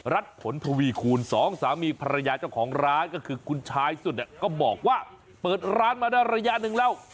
รัฐผลทวีคูณสองสามีภรรยาเจ้าของร้านก็คือคุณชายสุดเนี่ยก็บอกว่าเปิดร้านมาได้ระยะหนึ่งแล้ว